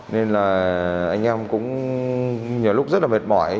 nên là anh em cũng nhiều lúc rất là mệt mỏi